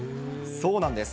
そうなんです。